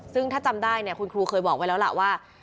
ซึ่งถ้าจำได้เนี่ยคุณครูเคยบอกไว้แล้วล่ะว่า